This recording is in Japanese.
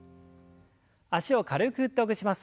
脚を軽く振ってほぐします。